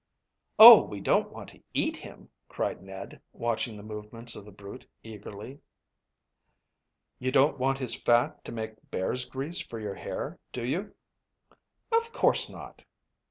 "Oh, we don't want to eat him," cried Ned, watching the movements of the brute eagerly. "You don't want his fat to make bear's grease for your hair, do you?" "Of course not."